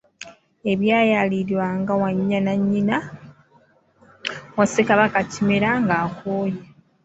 Ebyayalirirwanga Wannyana nnyina wa Ssekabaka Kimera ng'akooye.